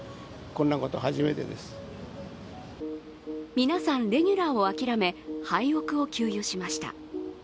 皆さん、レギュラーを諦め、ハイオクを給油しました。